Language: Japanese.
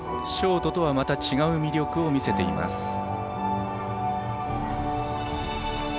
ショートとはまた違う魅力を見せています。